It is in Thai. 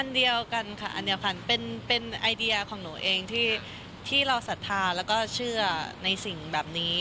เดียวกันค่ะอันนี้ขวัญเป็นไอเดียของหนูเองที่เราศรัทธาแล้วก็เชื่อในสิ่งแบบนี้